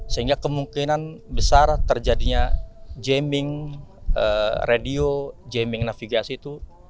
sehingga kemungkinan besar terjadinya gaming radio jaming navigasi itu